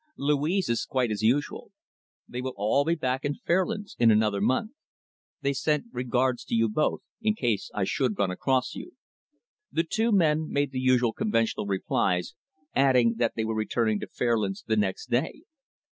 Louise is quite as usual. They will all be back in Fairlands in another month. They sent regards to you both in case I should run across you."' The two men made the usual conventional replies, adding that they were returning to Fairlands the next day.